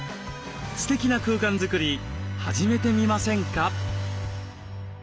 ステキな空間作り始めてみませんか？